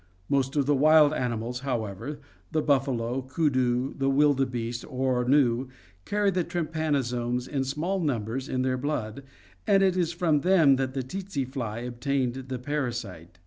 Most of the wild animals, however, the buffalo, koodoo, and wildebeeste or gnu, carry the trypanosomes in small numbers in their blood, and it is from them that the tsetse fly obtained the parasite.